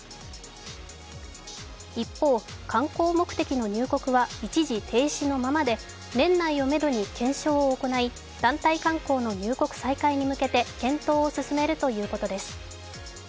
一方、観光目的の入国は一時停止のままで年内をめどに検証を行い、団体観光の入国再開に向けて検討を進めるということです。